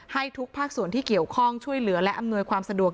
ให้ทุกภาคส่วนที่เกี่ยวข้องช่วยเหลือและอำนวยความสะดวก